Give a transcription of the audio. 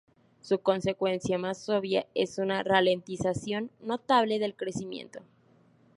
Su consecuencia más obvia es una ralentización notable del crecimiento.